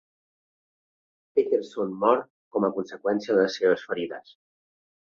Peterson mor com a conseqüència de les seves ferides.